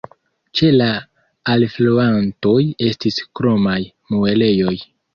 Ĉe la alfluantoj estis kromaj muelejoj.